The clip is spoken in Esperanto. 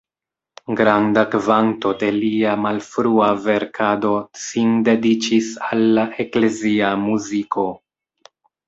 Granda kvanto de lia malfrua verkado sin dediĉis al la eklezia muziko.